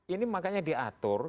ini makanya diatur